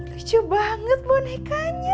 lucu banget bonekanya